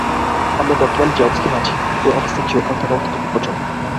আমরা বর্তমানে যে অবস্থায় আছি, ঐ অবস্থায় চিরকাল থাকা অত্যন্ত বিপজ্জনক।